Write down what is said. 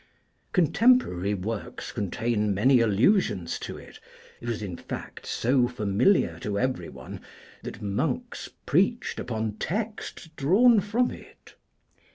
Contemporary works contain many allusions to it; it was in fact so familiar to every one that monks preached upon texts drawn from it.